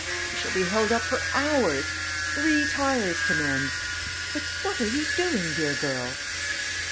We shall be held up for hours! Three tires to mend!... But what are you doing, dear girl?"